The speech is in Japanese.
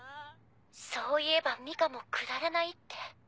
そういえばミカも「くだらない」って。